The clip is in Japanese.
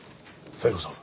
冴子さん